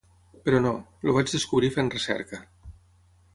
Però no, el vaig descobrir fent recerca.